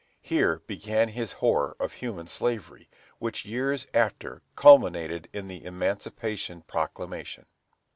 Here began his horror of human slavery, which years after culminated in the Emancipation Proclamation.